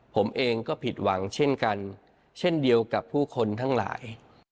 ผมเองก็ผิดหวังเช่นกันเช่นเดียวกับผู้คนทั้งหลาย